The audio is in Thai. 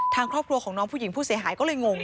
ทางครอบครัวของน้องผู้หญิงผู้เสียหายก็เลยงง